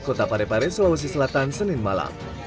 kota parepare sulawesi selatan senin malam